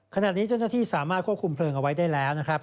ขณะนี้เจ้าหน้าที่สามารถควบคุมเพลิงเอาไว้ได้แล้วนะครับ